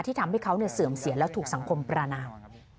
ทำให้เขาเสื่อมเสียแล้วถูกสังคมประนาม